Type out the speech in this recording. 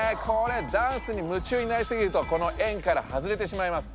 ダンスに夢中になりすぎるとこのえんからはずれてしまいます。